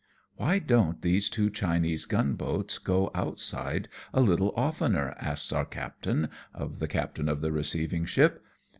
" Why don't these two Chinese gunboats go outside a little oftener ?" asks our captain of the captain of the receiving ship.